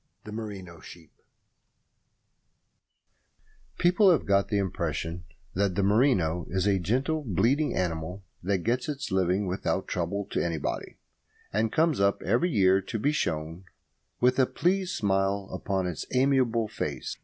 THE MERINO SHEEP People have got the impression that the merino is a gentle, bleating animal that gets its living without trouble to anybody, and comes up every year to be shorn with a pleased smile upon its amiable face.